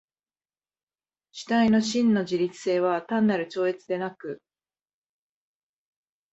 主体の真の自律性は単なる超越でなく、